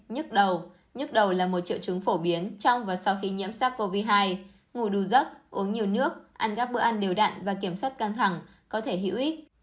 bảy nhức đầu nhức đầu là một triệu chứng phổ biến trong và sau khi nhiễm sắc covid một mươi chín ngủ đủ giấc uống nhiều nước ăn các bữa ăn đều đặn và kiểm soát căng thẳng có thể hữu ích